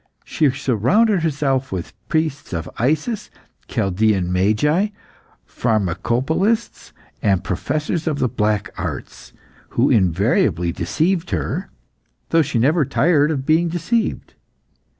She surrounded herself with priests of Isis, Chaldean magi, pharmacopolists, and professors of the black arts, who invariably deceived her, though she never tired of being deceived.